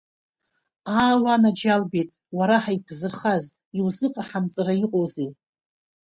Аа, уанаџьалбеит, уара ҳаиқәзырхаз, иузыҟаҳамҵара иҟоузеи!